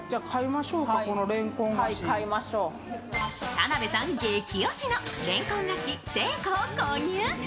田辺さん激推しのれんこん菓子西湖を購入。